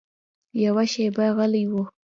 يوه شېبه غلى و.